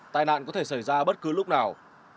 tai nạn có thể xảy ra bất cứ lúc nào